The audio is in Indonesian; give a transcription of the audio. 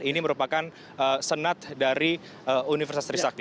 ini merupakan senat dari universitas trisakti